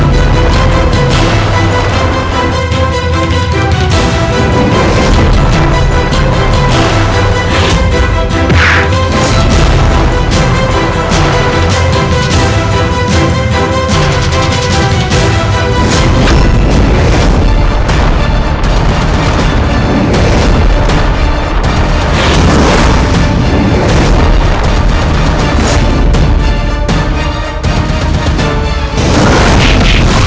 mengapa kaucarinya tiba tiba